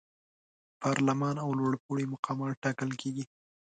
پارلمان او لوړپوړي مقامات ټاکل کیږي.